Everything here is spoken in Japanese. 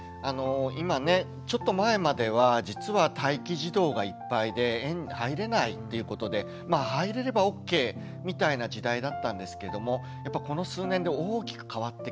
今ねちょっと前までは実は待機児童がいっぱいで園に入れないということで入れればオッケーみたいな時代だったんですけれどもこの数年で大きく変わってきました。